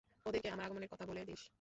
ওদেরকে আমার আগমনের কথা বলে দিস!